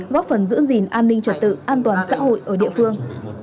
góp phần giữ gìn an ninh trật tự an toàn xã hội ở địa phương